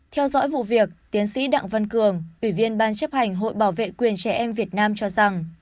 theo dõi vụ việc tiến sĩ đặng văn cường ủy viên ban chấp hành hội bảo vệ quyền trẻ em việt nam cho rằng